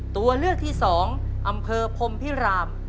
ตัวเลือกที่๒อำเภอพรมพิราม